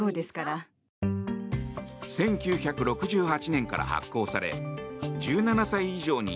１９６８年から発行され１７歳以上に